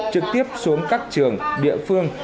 trực tiếp xuống các trường địa phương